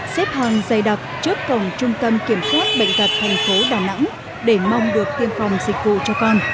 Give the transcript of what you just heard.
xếp hàng dày đặc trước cổng trung tâm kiểm soát bệnh tật thành phố đà nẵng để mong được tiêm phòng dịch vụ cho con